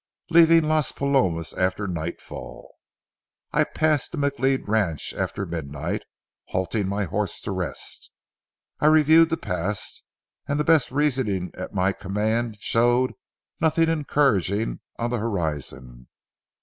Leaving Las Palomas after nightfall, I passed the McLeod ranch after midnight. Halting my horse to rest, I reviewed the past, and the best reasoning at my command showed nothing encouraging on the horizon.